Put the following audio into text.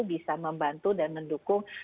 bisa membantu dan mendukung